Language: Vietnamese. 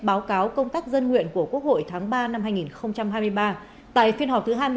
báo cáo công tác dân nguyện của quốc hội tháng ba năm hai nghìn hai mươi ba tại phiên họp thứ hai mươi bốn